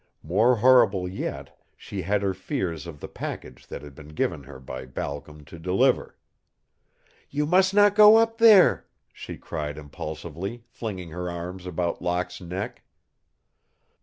More horrible yet, she had her fears of the package that had been given her by Balcom to deliver. "You must not go up there!" she cried, impulsively, flinging her arms about Locke's neck.